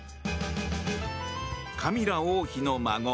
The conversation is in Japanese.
カミラ王妃の孫。